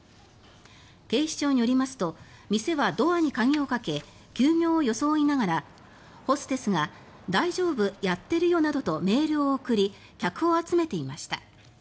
警視庁によりますと店はドアに鍵をかけ休業を装いながらホステスが大丈夫、やってるよなどとメールを送り客を集めていました。